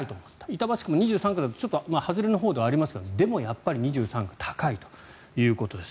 板橋区も２３区のちょっと外れのほうではありますがでも、やっぱり２３区高いということです。